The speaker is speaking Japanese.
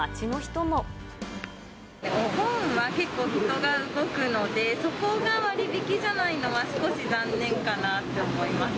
お盆は結構、人が動くので、そこが割引じゃないのは、少し残念かなって思います。